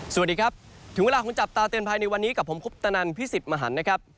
สวัสดีครับถึงเวลาของจับตาเตือนภัยในวันนี้กับผมคุปตนันพิสิทธิ์มหันนะครับ